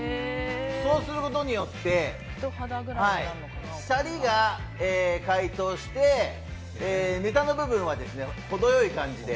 そうすることによってシャリが解凍して、ネタの部分はほどよい感じで。